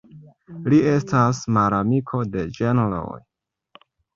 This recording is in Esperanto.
Li estas malamiko de ĝenroj.